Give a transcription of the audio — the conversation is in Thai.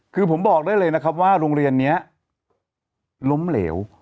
คือผมบอกได้เลยนะครับว่าโรงเรียนนี้ล้มเหลว